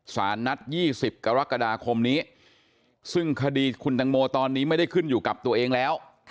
สารนัด๒๐กรกฎาคมนี้ซึ่งคดีคุณตังโมตอนนี้ไม่ได้ขึ้นอยู่กับตัวเองแล้ว